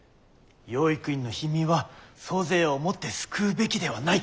養育院の貧民は租税をもって救うべきではない！